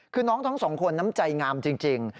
คือน้องทั้งสองคนน้ำใจงามจริง